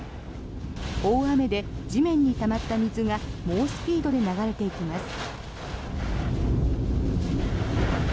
大雨で地面にたまった水が猛スピードで流れていきます。